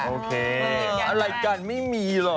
โอเคอะไรกันไม่มีหรอก